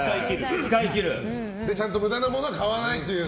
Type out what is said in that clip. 無駄なものは買わないという。